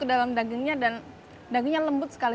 ke dalam dagingnya dan dagingnya lembut sekali